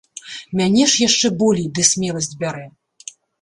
Мяне ж яшчэ болей ды смеласць бярэ.